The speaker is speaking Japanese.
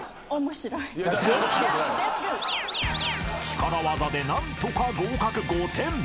［力業で何とか合格５点］